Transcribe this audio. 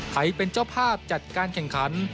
ให้เป็นเจ้าภาพจัดการแข่งขัน